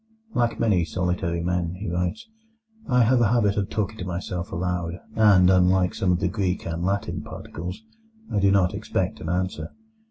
"Like many solitary men," he writes, "I have a habit of talking to myself aloud; and, unlike some of the Greek and Latin particles, I do not expect an answer.